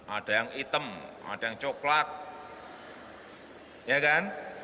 ada yang hitam ada yang coklat ya kan